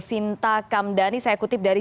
sinta kamdhani saya kutip dari